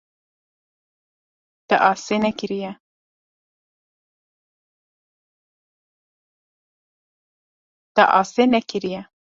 Te asê nekiriye.